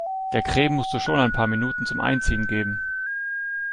Der Creme musst du schon ein paar Minuten zum Einziehen geben.